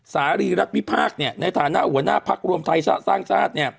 สารีรัฐวิพากษ์ในฐานะหัวหน้าพักรวมไทยสร้างชาติ